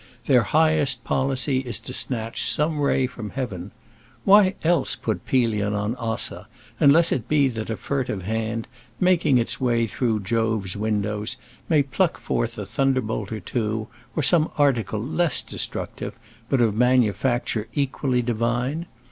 Their highest policy is to snatch some ray from heaven. Why else put Pelion on Ossa, unless it be that a furtive hand, making its way through Jove's windows, may pluck forth a thunderbolt or two, or some article less destructive, but of manufacture equally divine?